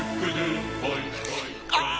ああ！